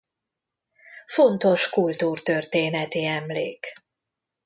Fontos kultúrtörténeti emlék.